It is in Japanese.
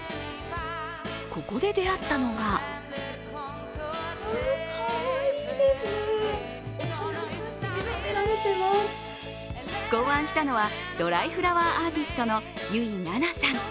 ここで出会ったのが考案したのはドライフラワーアーティストの油井奈々さん。